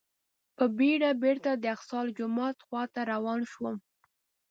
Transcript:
په بېړه بېرته د الاقصی جومات خواته روان شوم.